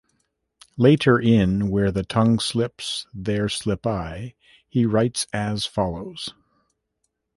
Later in "Where the tongue slips, there slip I" he writes as follows.